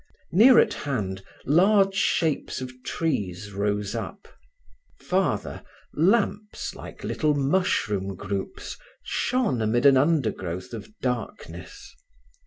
Near at hand, large shapes of trees rose up. Farther, lamps like little mushroom groups shone amid an undergrowth of darkness.